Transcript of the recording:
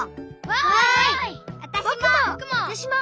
わたしも！